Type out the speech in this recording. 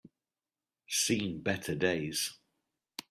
Seen better days